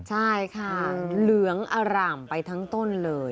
ใช่ค่ะเหลืองอร่ามไปทั้งต้นเลย